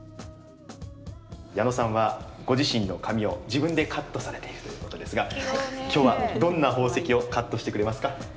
矢野さんは、ご自身の髪を自分でカットされているということですが、今日はどんな宝石をカットしてくれますか？